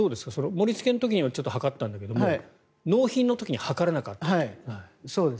盛りつけの時には測ったんだけれども納品の時に測らなかったという。